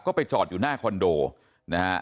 ก็ไปจอดอยู่หน้าคอนโดนะฮะ